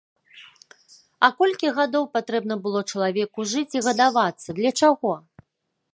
А колькі гадоў патрэбна было чалавеку жыць і гадавацца, для чаго?